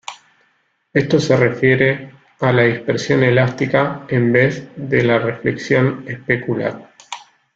Esto se refiere a la dispersión elástica en vez de reflexión especular.